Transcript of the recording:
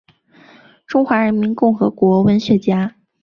中华人民共和国文学家。